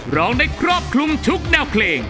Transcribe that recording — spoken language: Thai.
ร้องในครอบครุ่งทุกแนวเครง